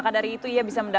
jatian epa jayante